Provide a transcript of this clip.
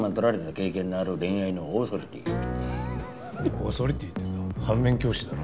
オーソリティーってか反面教師だろ。